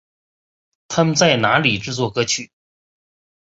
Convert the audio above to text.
他们在那里制作歌曲。